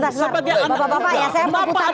bapak bapak ya saya membutuhkan